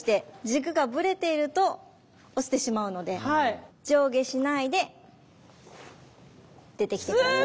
軸がブレていると落ちてしまうので上下しないで出てきて下さい。